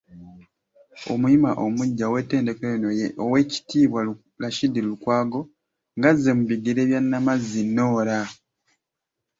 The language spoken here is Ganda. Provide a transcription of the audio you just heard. Omuyima omuggya ow’ettendekero lino ye Owek.Rashid Lukwago ng’azze mu bigere bya Namazzi Norah.